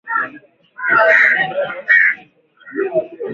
ambayo serikali haijaweka katika matumizi yanayofaa